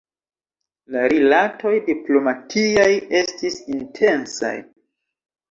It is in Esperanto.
La rilatoj diplomatiaj estis intensaj.